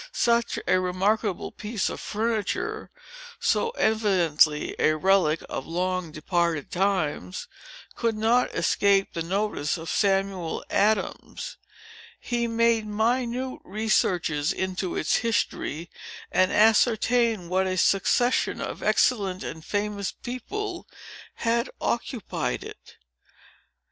Such a remarkable piece of furniture, so evidently a relic of long departed times, could not escape the notice of Samuel Adams. He made minute researches into its history, and ascertained what a succession of excellent and famous people had occupied it."